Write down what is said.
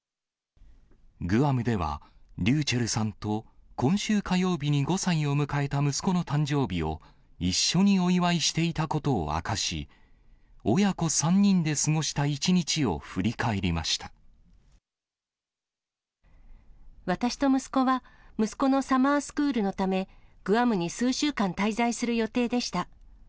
グアムでは、ｒｙｕｃｈｅｌｌさんと今週火曜日に５歳を迎えた息子の誕生日を、一緒にお祝いしていたことを明かし、親子３人で過ごした一日を振私と息子は、息子のサマースクールのため、グアムに数週間滞在する予定でした。